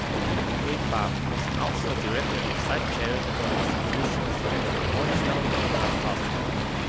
Redpath was also a director of such charitable institutions as the Montreal General Hospital.